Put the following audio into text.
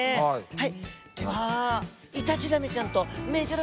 はい！